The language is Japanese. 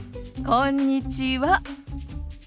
こんにちは。